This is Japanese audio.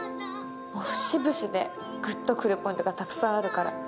節々でグッとくるポイントがたくさんあるから。